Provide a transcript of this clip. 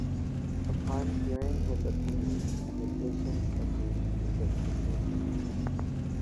Upon hearing his opinion, the patients agree to the procedure.